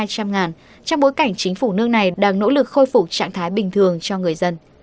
trong bối cảnh chính phủ nước này đang nỗ lực khôi phục trạng thái bình thường cho người dân